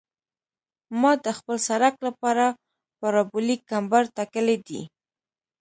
ما د خپل سرک لپاره پارابولیک کمبر ټاکلی دی